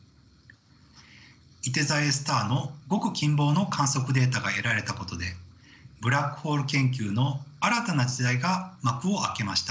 いて座Ａスターのごく近傍の観測データが得られたことでブラックホール研究の新たな時代が幕を開けました。